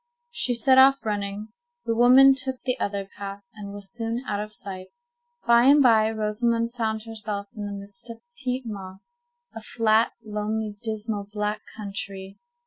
She set off running. The woman took the other path, and was soon out of sight. By and by, Rosamond found herself in the midst of a peat moss—a flat, lonely, dismal, black country.